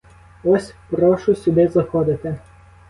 Ось прошу сюди заходити.